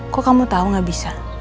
kok kamu tau gak bisa